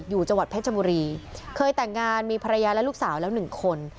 อยู่จังหวัดเพชรบุรีเคยแต่งงานมีภรรยาและลูกสาวแล้วหนึ่งคน